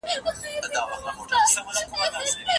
آیا علم تر عقیدې بدلېدونکی دی؟